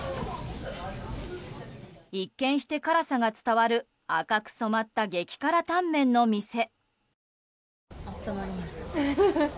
一見して辛さが伝わる赤く染まった激辛タンメンの店。